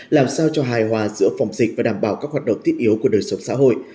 làm sao cho hài hòa giữa phòng dịch và đảm bảo các hoạt động thiết yếu của đời sống xã hội